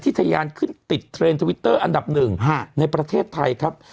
ทะยานขึ้นติดเทรนด์ทวิตเตอร์อันดับหนึ่งในประเทศไทยครับ